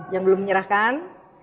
yang belum menyerahkan satu dua tiga